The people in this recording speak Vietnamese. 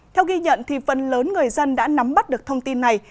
theo ghi nhận phần lớn người dân đã nắm bắt được thông tin này